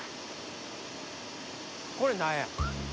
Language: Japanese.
これ何や？